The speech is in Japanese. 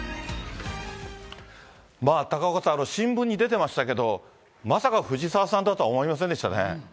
まあ、高岡さん、新聞に出てましたけど、まさか藤澤さんだとは思いませんでしたね。